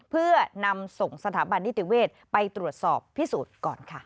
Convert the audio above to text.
เพื่อนำส่งสถาบันนิติเวศไปตรวจสอบพิสูจน์ก่อนค่ะ